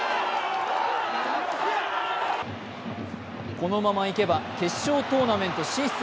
このままいけば決勝トーナメント進出。